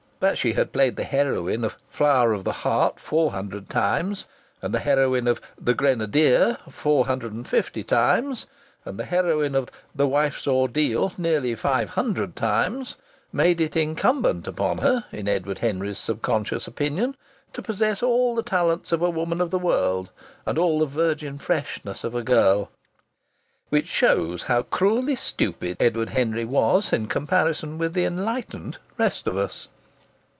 That she had played the heroine of "Flower of the Heart" four hundred times, and the heroine of "The Grenadier" four hundred and fifty times, and the heroine of "The Wife's Ordeal" nearly five hundred times, made it incumbent upon her, in Edward Henry's subconscious opinion, to possess all the talents of a woman of the world and all the virgin freshness of a girl. Which shows how cruelly stupid Edward Henry was in comparison with the enlightened rest of us.